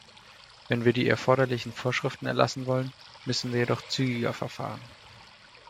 Wenn wir die erforderlichen Vorschriften erlassen wollen, müssen wir jedoch zügiger verfahren.